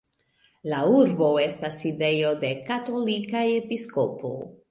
La urbo estas sidejo de katolika episkopo.